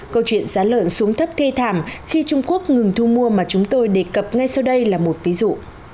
câu chuyện giá lợn xuống thấp thê thảm khi trung quốc ngừng thu mua mà chúng tôi đề cập ngay sau đây là một ví dụ